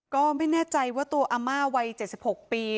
ก็ไม่แน่ใจว่าตัวอาม่าวัย๗๖ปี